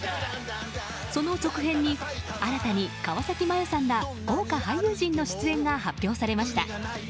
その続編に新たに川崎麻世さんら豪華俳優陣の出演が発表されました。